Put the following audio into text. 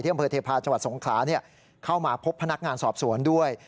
อำเภอเทพาะจังหวัดสงขลาเข้ามาพบพนักงานสอบสวนด้วย